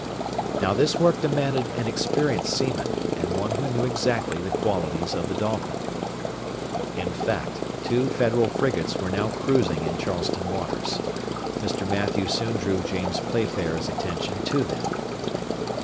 Now this work demanded an experienced seaman, and one who knew exactly the qualities of the Dolphin. In fact, two Federal frigates were now cruising in the Charleston waters. Mr. Mathew soon drew James Playfair's attention to them.